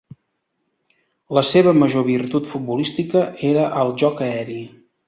La seva major virtut futbolística era el joc aeri.